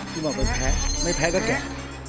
ที่บอกมันแพ้ไม่แพ้ก็แก่